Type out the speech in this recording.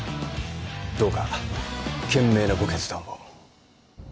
どうか賢明なご決断を